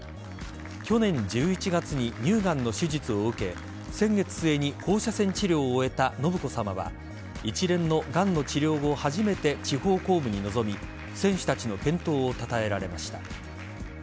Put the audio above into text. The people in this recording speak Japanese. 去年１１月に乳がんの手術を受け先月末に放射線治療を終えた信子さまは一連のがんの治療後初めて地方公務に臨み選手たちの健闘をたたえられました。